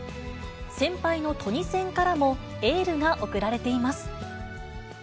先輩のトニセンからも、エールが送られています。